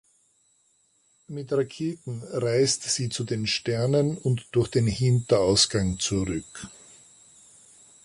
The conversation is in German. Mit Raketen reist sie zu den Sternen und durch den Hinterausgang zurück.